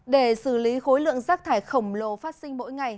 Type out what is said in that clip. để xử lý khối lượng rác thải khổng lồ phát sinh mỗi ngày